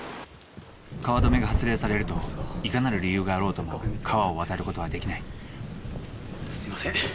川留めが発令されるといかなる理由があろうとも川を渡る事はできないすいません。